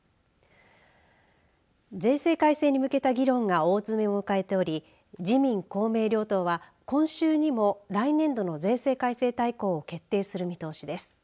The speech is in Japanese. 税制改正に向けた議論が大詰めを迎えており自民、公明両党は、今週にも来年度の税制改正大綱を決定する見通しです。